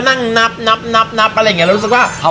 นั่งนับนับนับนับอะไรอย่างเงี้ยรู้สึกว่า